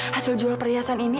hasil jual perhiasan ini